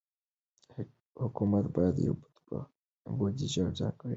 حکومت باید بودجه ځانګړې کړي.